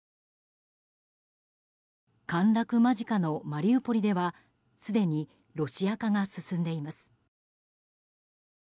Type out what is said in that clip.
陥落間近のマリウポリではすでにロシア化が進んでいます。